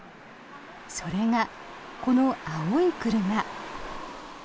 それが、この青い車。